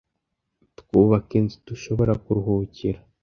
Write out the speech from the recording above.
Twubaka inzu dushobora kuruhukira,